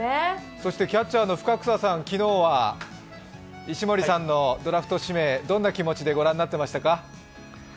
そしてキャッチャーの深草さん、昨日は石森さんのドラフト指名、どんな気持ちで御覧になってましたか？